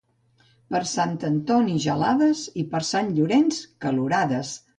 Per Sant Antoni, gelades, i per Sant Llorenç, calorades.